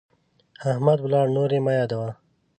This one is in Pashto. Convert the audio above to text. احمد ولاړ، نور يې مه يادوه.